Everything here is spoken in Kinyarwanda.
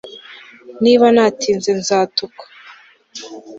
Niba natinze nzatukwa